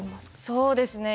そうですね。